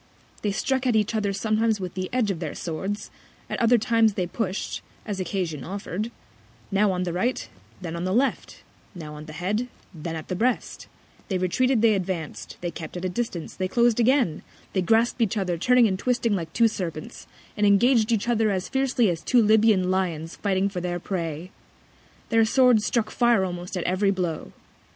They struck at each other sometimes with the Edge of their Swords, at other Times they push'd, as Occasion offer'd: Now on the Right, then on the Left; now on the Head, then at the Breast; they retreated; they advanc'd; they kept at a Distance; they clos'd again; they grasp'd each other, turning and twisting like two Serpents, and engag'd each other as fiercely as two Libyan Lions fighting for their Prey: Their Swords struck Fire almost at every Blow.